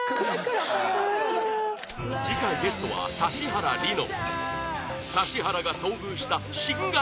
次回ゲストは指原莉乃